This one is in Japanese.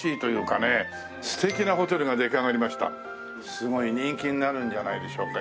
すごい人気になるんじゃないでしょうか。